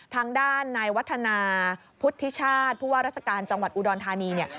ทางด้านนายวัฒนาพุทธิชาติรัศกาลจังหวัดอุดรธานี